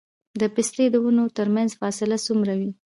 د پستې د ونو ترمنځ فاصله څومره وي؟